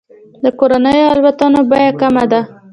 د کورنیو الوتنو بیه کمه ده.